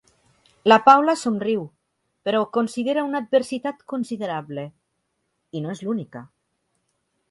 La Paula somriu, però ho considera una adversitat considerable, i no és l'única.